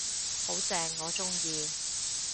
好正，我鍾意